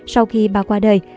sau khi bà qua đời